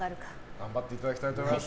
頑張っていただきたいと思います。